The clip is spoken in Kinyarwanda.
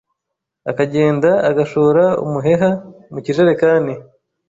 Akagenda agashora umuheha mu kijerekani